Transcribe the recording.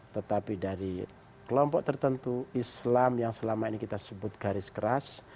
tetapi dari kelompok tertentu islam yang selama ini kita sebut garis keras